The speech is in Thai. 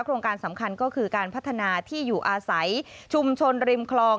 โครงการสำคัญก็คือการพัฒนาที่อยู่อาศัยชุมชนริมคลอง